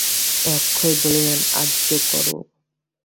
অক্ষয় বলিলেন, আজ্ঞে করো।